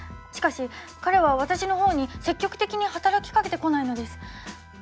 しかし彼は私の方に積極的に働きかけてこないのです。